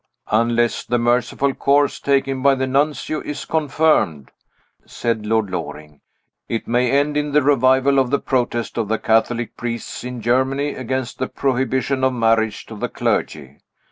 "Unless the merciful course taken by the Nuncio is confirmed," said Lord Loring, "it may end in a revival of the protest of the Catholic priests in Germany against the prohibition of marriage to the clergy.